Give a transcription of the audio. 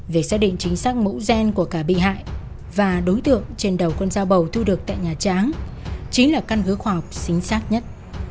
việc xác định chính xác mẫu gen của cả bị hại và đối tượng trên đầu con dao bầu thu được tại nhà trắng chính là căn cứ khoa học chính xác nhất